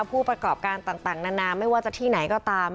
ผู้ประกอบการต่างนานาไม่ว่าจะที่ไหนก็ตาม